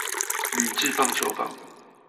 鋁製棒球棒